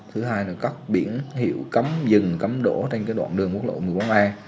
thứ hai là các biển hiệu cấm dừng cấm đổ trên đoạn đường quốc lộ một mươi bốn a